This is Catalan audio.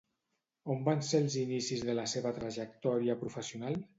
On van ser els inicis de la seva trajectòria professional?